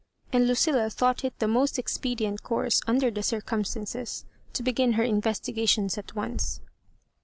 And Lucilla thought it the most expedient course, under the circumstances, to be gin her investigations at once.